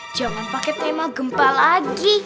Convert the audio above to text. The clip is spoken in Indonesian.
jangan pakai tema gempa lagi